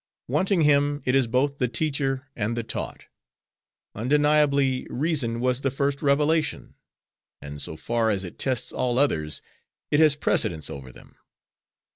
Wanting Him, it is both the teacher and the taught. Undeniably, reason was the first revelation; and so far as it tests all others, it has precedence over them.